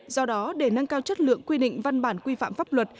do đó để nâng cao chất lượng quy định văn bản quy phạm pháp luật